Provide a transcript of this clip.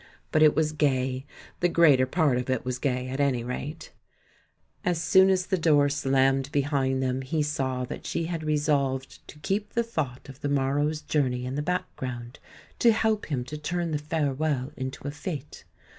But it was gay — the greater part of it was gay, at any rate. As soon as the 8 THE MAN WHO UNDERSTOOD WOMEN door slammed behind them he saw that she had resolved to keep the thought of the morrow's journey in the background, to help him to turn the farewell into a fete.